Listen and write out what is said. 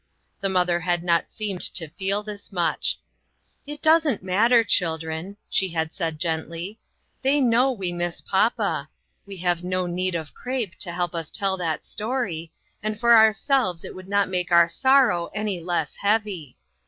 The mother had not seemed to feel this much. " It doesn't mat ter, children," she had said gently ;" they know we miss papa ; we have no need of crape to help us tell that story, and for ourselves it would not make our sorrow any less heavy."